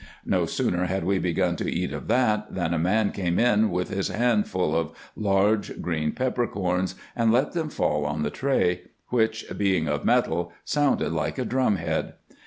No sooner had we begun to eat of that, than a man came in with his hand full of large green peppercorns, and let them fall on the tray, which, being of metal, sounded like a drum head.